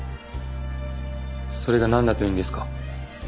それがなんだというんですか？